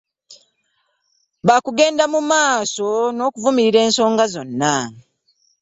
Ba kugenda mu maaso n'okuvumirira ensonga zonna